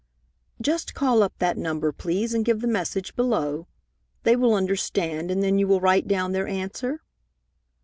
"Just call up that number, please, and give the message below. They will understand, and then you will write down their answer?"